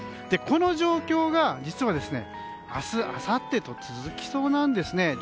この状況が実は明日、あさってと続きそうなんですね。